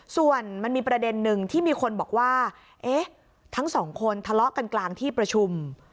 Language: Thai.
ส่วนมันมีประเด็นนึงที่มีคนบอกว่าเอ๊ะทั้งสองคนทะเลาะกันกลางที่ประชุม